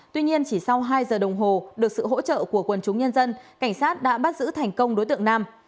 tuy nhiên chỉ sau hai giờ đồng hồ được sự hỗ trợ của quần chúng nhân dân cảnh sát đã bắt giữ thành công đối tượng nam